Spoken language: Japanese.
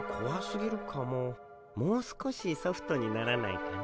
もう少しソフトにならないかな。